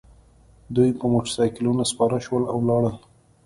دوی په موټرسایکلونو سپاره شول او لاړل